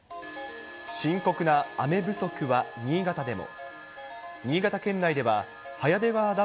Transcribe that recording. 深刻な雨不足は新潟でも。